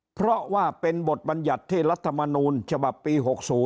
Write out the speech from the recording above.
เพราะว่าเป็นบทบัญญัติที่รัฐมนูลฉบับปี๖๐